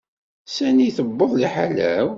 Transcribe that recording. Sani tuweḍ liḥala-w.